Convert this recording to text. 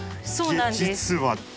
そうなんです。